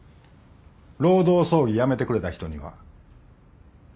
労働争議やめてくれた人には。